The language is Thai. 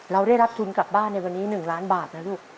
เราได้รับทุนกลับบ้านในวันนี้๑ล้านบาทนะลูก